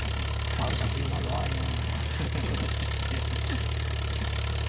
丸ちゃん振り駒弱いね。